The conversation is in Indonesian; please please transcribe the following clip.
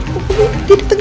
dia datang dia datang